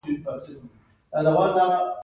د ایران پر خاوره مو پښې کېښودې.